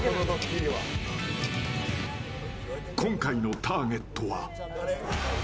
今回のターゲットは。